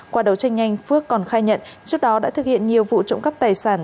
qua đấu tranh nhanh phước còn khai nhận trước đó đã thực hiện nhiều vụ trộm cắp tài sản